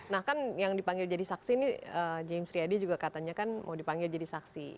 nah kan yang dipanggil jadi saksi ini james riyadi juga katanya kan mau dipanggil jadi saksi